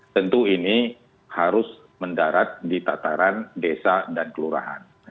tentu ini harus mendarat di tataran desa dan kelurahan